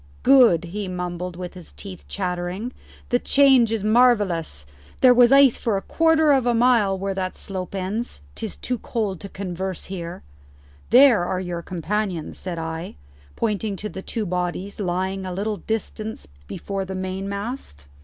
"Good," he mumbled with his teeth chattering. "The change is marvellous. There was ice for a quarter of a mile where that slope ends. 'Tis too cold to converse here." "There are your companions," said I, pointing to the two bodies lying a little distance before the mainmast.